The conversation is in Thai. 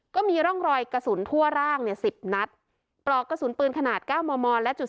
ก็มีร่องรอยกระสุนทั่วร่างเนี่ย๑๐นัดปลอกกระสุนปืนขนาด๙มมและจุด